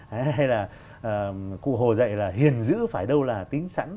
đấy hay là cụ hồ dạy là hiền giữ phải đâu là tính sẵn